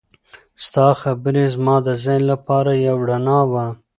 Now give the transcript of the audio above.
ستا خبرې زما د ذهن لپاره یو رڼا وه.